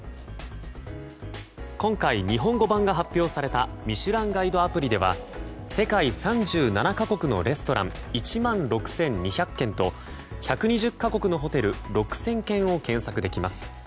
今回日本語版が発表された「ミシュランガイド」アプリでは世界３７か国のレストラン１万６２００軒と１２０か国のホテル６０００軒を検索できます。